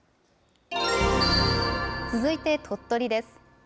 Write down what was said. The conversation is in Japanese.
続いて鳥取です。